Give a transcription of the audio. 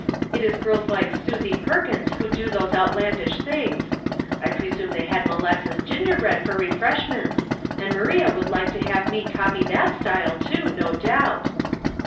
It is girls like Susy Perkins who do those outlandish things. I pre sume they had molasses ginger bread for refresh ments, and Maria would like to have me copy that style, too, no doubt."